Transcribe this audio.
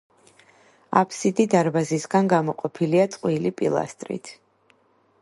აფსიდი დარბაზისგან გამოყოფილია წყვილი პილასტრით.